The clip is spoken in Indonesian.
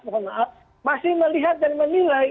mohon maaf masih melihat dan menilai